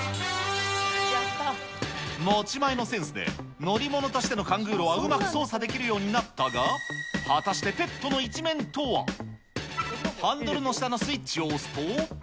持ち前のセンスで乗り物としてのカングーロはうまく操作できるようになったが、果たしてペットの一面とは。ハンドルの下のスイッチを押すと。